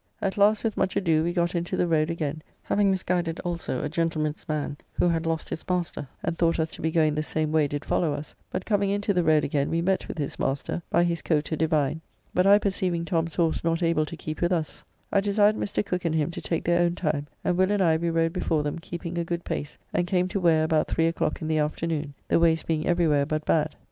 At last with much ado we got into the road again, having misguided also a gentleman's man who had lost his master and thought us to be going the same way did follow us, but coming into the road again we met with his master, by his coat a divine, but I perceiving Tom's horse not able to keep with us, I desired Mr. Cooke and him to take their own time, and Will and I we rode before them keeping a good pace, and came to Ware about three o'clock in the afternoon, the ways being every where but bad.